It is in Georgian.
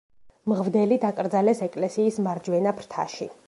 მღვდელი დაკრძალეს ეკლესიის მარჯვენა ფრთაში.